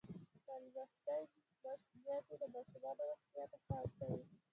تعلیم یافته میندې د ماشوم روغتیا ته پام کوي۔